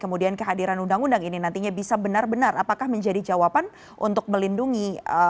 kemudian kehadiran undang undang ini nantinya bisa benar benar apakah menjadi jawaban untuk melindungi